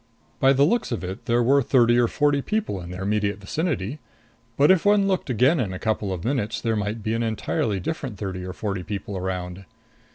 By the looks of it, there were thirty or forty people in their immediate vicinity; but if one looked again in a couple of minutes, there might be an entirely different thirty or forty people around.